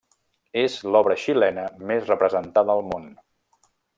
És l'obra xilena més representada al món.